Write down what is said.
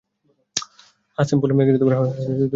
হ্যাঁ, স্যাম্পল নিয়ে নিয়েছি।